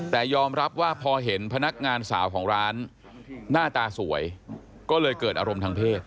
แต่ยอมรับว่าพอเห็นพนักงานสาวของร้านหน้าตาสวยก็เลยเกิดอารมณ์ทางเพศ